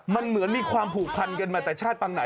มันเหมือนมีความผูกพันกันมาแต่ชาติปังไหน